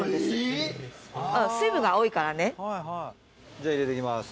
じゃあ入れて行きます。